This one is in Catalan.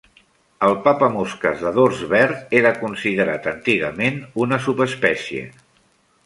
El papamosques de dors verd era considerat antigament una subespècie.